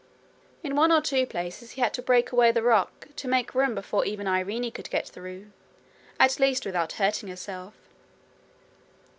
In one or two places he had to break away the rock to make room before even Irene could get through at least without hurting herself.